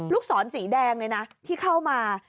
ศรสีแดงเลยนะที่เข้ามา